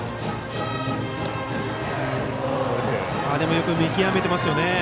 よく見極めていますよね。